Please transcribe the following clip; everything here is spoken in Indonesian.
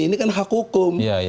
ini kan hak hukum